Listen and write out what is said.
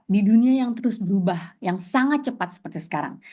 di dunia yang terus berubah yang sangat cepat seperti sekarang